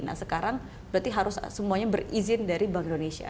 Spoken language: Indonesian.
nah sekarang berarti harus semuanya berizin dari bank indonesia